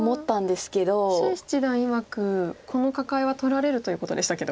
謝七段いわくこのカカエは取られるということでしたけど。